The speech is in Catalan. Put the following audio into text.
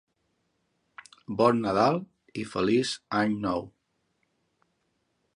Bon Nadal i feliç Any Nou!